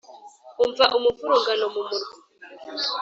Umva umuvurungano mu murwa